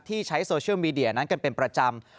ใช้โซเชียลมีเดียนั้นกันเป็นประจำ